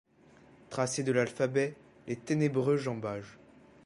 Tracez de l’alphabet les ténébreux jambages ;